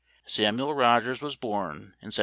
f Samuel Rogers was born in 1763.